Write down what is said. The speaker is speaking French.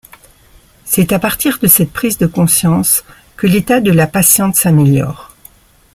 C'est à partir de cette prise de conscience que l'état de la patiente s'améliore.